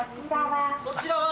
こちらは？